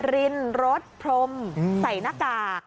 รินรถพรมใส่หน้ากาก